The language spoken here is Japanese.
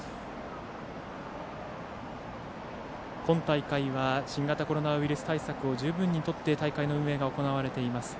今大会は新型コロナウイルス対策を十分にとって大会の運営が行われています。